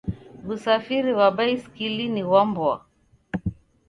Wusafiri ghwa basikili ni ghwa mboa.